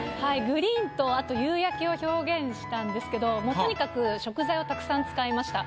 グリーンとあと夕焼けを表現したんですけどもうとにかく食材をたくさん使いました。